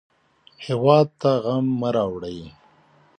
هېواد ته غم مه راوړئ